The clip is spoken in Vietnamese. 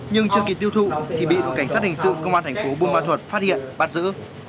nhưng chưa kịp tiêu thụ thì bị đội cảnh sát hình sự công an thành phố buôn ma thuật phát hiện bắt giữ